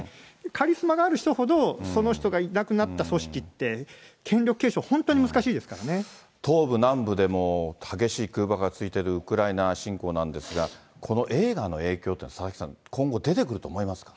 カリスマがある人ほど、その人がいなくなった組織って、権力継承、東部、南部でも激しい空爆が続いているウクライナ侵攻なんですが、この映画の影響っていうのは、佐々木さん、今後、出てくると思いますか？